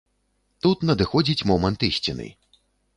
Тут надыходзіць момант ісціны.